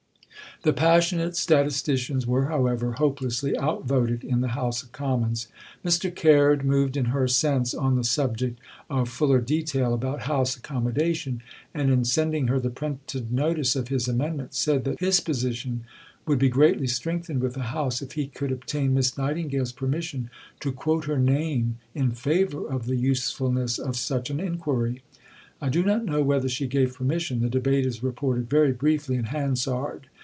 The passionate statisticians were, however, hopelessly out voted in the House of Commons. Mr. Caird moved in her sense on the subject of fuller detail about house accommodation, and in sending her the printed notice of his amendment, said that "his position would be greatly strengthened with the House if he could obtain Miss Nightingale's permission to quote her name in favour of the usefulness of such an inquiry." I do not know whether she gave permission; the debate is reported very briefly in Hansard.